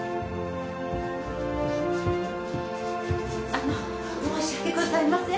あの申し訳ございません